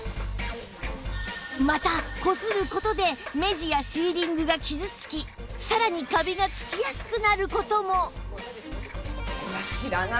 またこする事で目地やシーリングが傷つきさらにカビがつきやすくなる事も